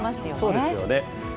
そうですよね。